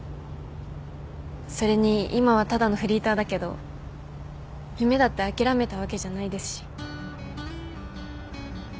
それに今はただのフリーターだけど夢だって諦めたわけじゃないですし。